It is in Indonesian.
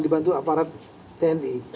dibantu aparat tni